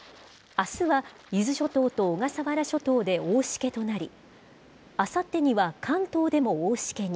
あすは伊豆諸島と小笠原諸島で大しけとなり、あさってには関東でも大しけに。